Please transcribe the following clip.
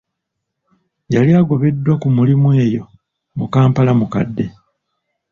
Yali agobeddwa ku mulimu eyo mu kampala mukadde.